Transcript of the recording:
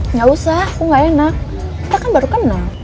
nggak usah aku nggak enak kita kan baru kenal